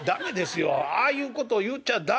ああいうことを言っちゃ駄目なんですよ。